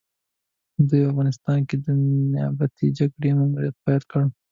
دوی په افغانستان کې د نيابتي جګړې ماموريت پيل کړ.